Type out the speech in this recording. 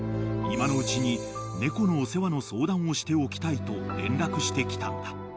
［今のうちに猫のお世話の相談をしておきたいと連絡してきたのだ］